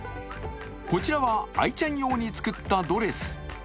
こちらは、あいちゃん用に作ったドレス。